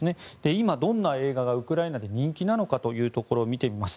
今、どんな映画がウクライナで人気なのかというところを見てみます。